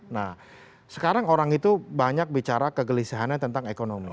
nah sekarang orang itu banyak bicara kegelisahannya tentang ekonomi